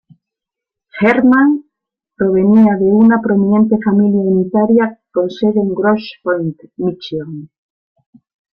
Herrmann provenía de una prominente familia unitaria, con sede en Grosse Pointe, Míchigan.